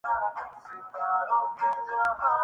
کیا یہ اسی طرح مسلط رہے گا؟